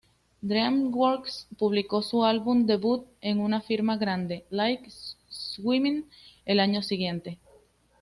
Dreamworks publicó su álbum debut en una firma grande, "Like Swimming", el año siguiente.